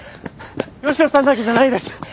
吉野さんだけじゃないです。